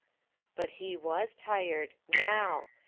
But he was tired Now.